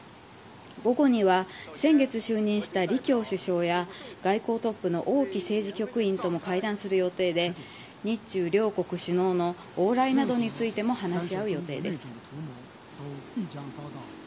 午後には先月就任した李強首相や外交トップの王毅政治局委員とも会談する予定で日中両国首脳の往来などについても話し合われる予定です。